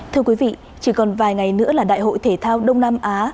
thưa quý vị chỉ còn vài ngày nữa là đại hội thể thao đông nam á